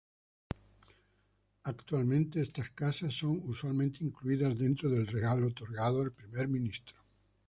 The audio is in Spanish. Actualmente, estas casas son usualmente incluidas dentro del regalo otorgado al Primer Ministro.